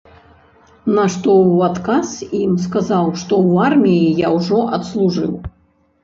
На што ў адказ ім сказаў, што ў арміі я ўжо адслужыў.